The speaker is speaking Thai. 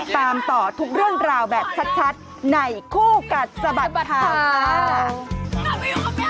ตามต่อทุกเรื่องราวแบบชัดในคู่กัดสะบัดข่าวค่ะ